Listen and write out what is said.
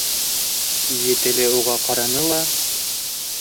Етеле уға ҡараны ла: